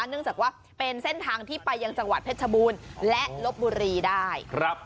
เนื่องจากว่าเป็นเส้นทางที่ไปยังจังหวัดเพชรบูรณ์และลบบุรีได้ครับ